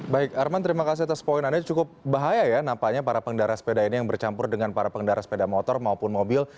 baik arman terima kasih atas poin anda cukup bahaya ya nampaknya para pengendara sepeda ini yang bercampur dengan para pengendara sepeda motor maupun mobil